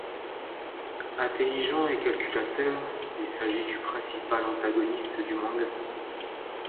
Intelligent et calculateur, il s'agit du principale antagoniste du manga.